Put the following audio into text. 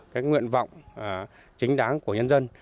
cái nguyện vọng chính đáng của nhân dân